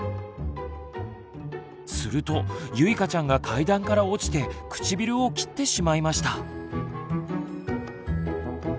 するとゆいかちゃんが階段から落ちて唇を切ってしまいました。